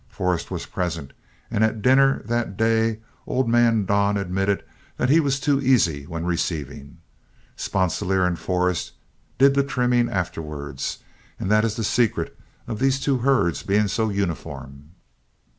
Forrest was present, and at dinner that day old man Don admitted that he was too easy when receiving. Sponsilier and Forrest did the trimming afterward, and that is the secret of these two herds being so uniform."